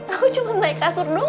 aku cuma naik kasur dulu